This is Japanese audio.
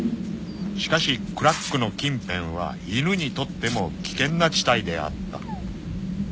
［しかしクラックの近辺は犬にとっても危険な地帯であった］